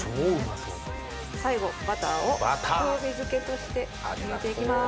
最後バターを風味づけとして入れて行きます。